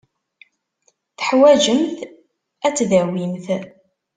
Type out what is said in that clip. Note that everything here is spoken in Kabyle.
Teḥwajemt ad tdawimt.